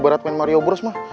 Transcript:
ibarat main mario bros mah